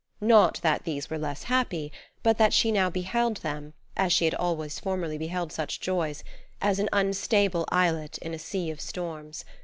Not that these were less happy, but that she now beheld them, as she had always formerly beheld such joys, as an unstable islet in a sea of storms.